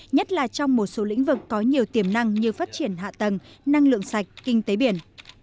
nhất là trong một số lĩnh vực có nhiều tiềm năng như phát triển hạ tầng năng lượng sạch kinh tế biển